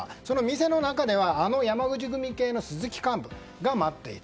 店の中ではあの山口組系の鈴木幹部が待っていた。